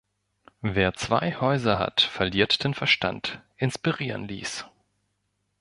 Wer zwei Häuser hat, verliert den Verstand“ inspirieren ließ.